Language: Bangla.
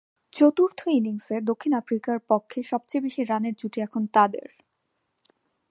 চতুর্থ ইনিংসে দক্ষিণ আফ্রিকার পক্ষে সবচেয়ে বেশি রানের জুটি এখন তাঁদের।